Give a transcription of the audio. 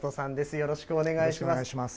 よろしくお願いします。